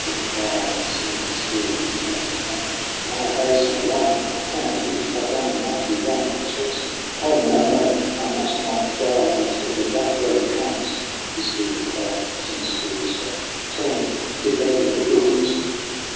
With wild, unseeing stare He turns upon her :" Why are they so long ? I can not eat ! I've done a mighty wrong; It chokes me ! Oh no, no, I must not die Until the Black Robe comes!" His feeble cry Sinks to a whisper. "Tell me, did they go Your kinsmen